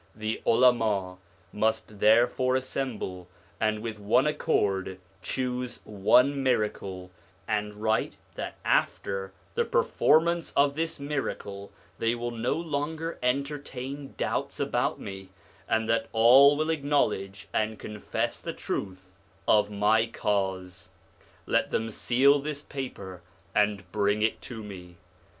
The Ulama must therefore assemble and with one accord choose one miracle, and write that after the performance of this miracle they will no longer enter tain doubts about me, and that all will acknowledge and confess the truth of my Cause. Let them seal this paper and bring it to me.